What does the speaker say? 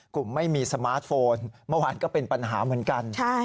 กลุ่มไม่มีสมาร์ทโฟนเมื่อวานก็เป็นปัญหาเหมือนกัน